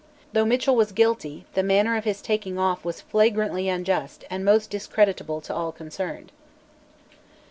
Though Mitchell was guilty, the manner of his taking off was flagrantly unjust and most discreditable to all concerned.